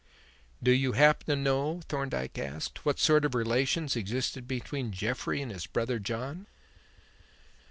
"Do you happen to know," Thorndyke asked, "what sort of relations existed between Jeffrey and his brother John?"